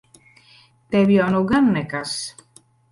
Tev jau nu gan nekas!